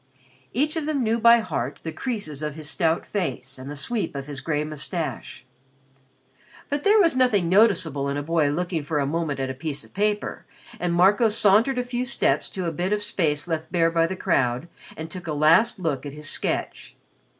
Each of them knew by heart the creases on his stout face and the sweep of his gray moustache. But there was nothing noticeable in a boy looking for a moment at a piece of paper, and Marco sauntered a few steps to a bit of space left bare by the crowd and took a last glance at his sketch.